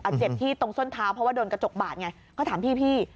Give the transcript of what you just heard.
เจ็บที่ตรงส้นเท้าเพราะว่าโดนกระจกบาดไงก็ถามพี่